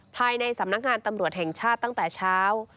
ภายในสำนักงานตำรวจแห่งชาติตั้งแต่เช้า